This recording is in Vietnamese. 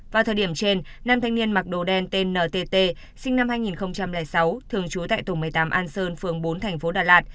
vào thời điểm trên nam thanh niên mặc đồ đen tên ntt sinh năm hai nghìn sáu thường trú tại tổ một mươi tám an sơn phường bốn thành phố đà lạt